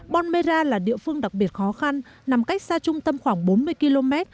bon mê ra là địa phương đặc biệt khó khăn nằm cách xa trung tâm khoảng bốn mươi km